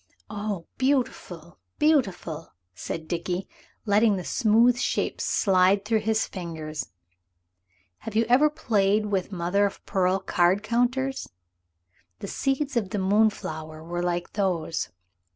"Oh, beautiful, beautiful!" said Dickie, letting the smooth shapes slide through his fingers. Have you ever played with mother of pearl card counters? The seeds of the moonflower were like those.